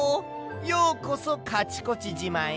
ようこそカチコチじまへ。